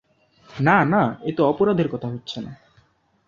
না না, এ তো অপরাধের কথা হচ্ছে না।